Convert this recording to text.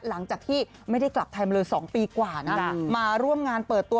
หลังจากที่ไม่ได้กลับไทยมาเลย๒ปีกว่านะมาร่วมงานเปิดตัว